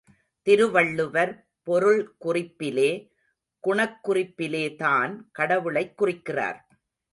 திருவள்ளுவர் பொருள் குறிப்பிலே, குணக்குறிப்பிலேதான் கடவுளைக் குறிக்கிறார்.